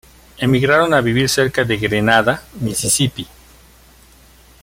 Emigraron a vivir cerca de Grenada, Mississipi.